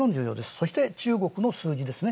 そして中国の数字ですね。